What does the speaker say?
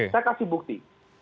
saya kasih bukti